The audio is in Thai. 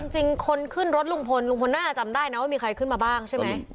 จริงคนขึ้นรถลุงพลลุงพลน่าจะจำได้นะว่ามีใครขึ้นมาบ้างใช่ไหม